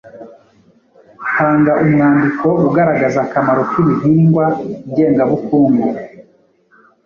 Hanga umwandiko ugaragaza akamaro k’ibihingwa ngengabukungu.